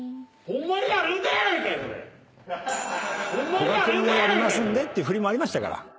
こがけんをやりますんでっていう振りもありましたから。